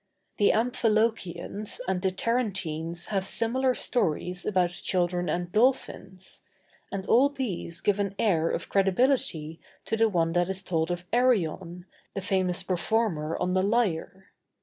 The Amphilochians and the Tarentines have similar stories about children and dolphins; and all these give an air of credibility to the one that is told of Arion, the famous performer on the lyre.